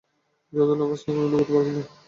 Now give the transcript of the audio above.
যতই লাফাস না কেন, লুকোতে পারবি না।